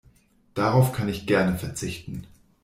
Darauf kann ich gerne verzichten.